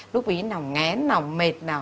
lúc ý nào ngén nào mệt